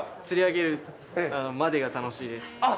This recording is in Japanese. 釣り上げるまでが楽しいです。